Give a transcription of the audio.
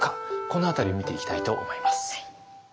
この辺りを見ていきたいと思います。